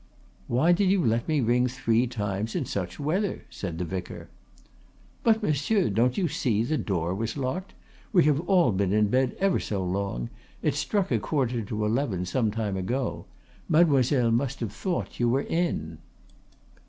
"Why did you let me ring three times in such weather?" said the vicar. "But, monsieur, don't you see the door was locked? We have all been in bed ever so long; it struck a quarter to eleven some time ago. Mademoiselle must have thought you were in."